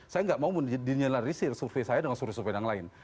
saya nggak mau dinyalarisir survei saya dengan survei survei yang lain